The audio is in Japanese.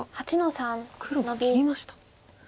黒は切りました。